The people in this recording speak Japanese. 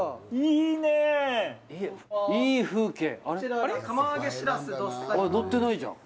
いい風景。